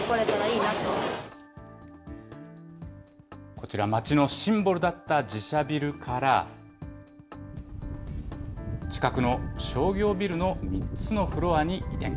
こちら、町のシンボルだった自社ビルから、近くの商業ビルの３つのフロアに移転。